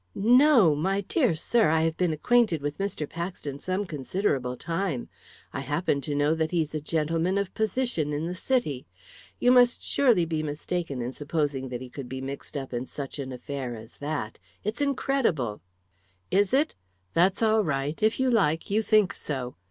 "No! My dear sir, I have been acquainted with Mr. Paxton some considerable time. I happen to know that he's a gentleman of position in the City. You must surely be mistaken in supposing that he could be mixed up in such an affair as that it's incredible!" "Is it? That's all right. If you like, you think so.